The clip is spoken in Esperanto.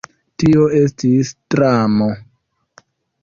Tio estis dramo.